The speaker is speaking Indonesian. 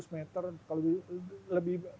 seratus meter kalau lebih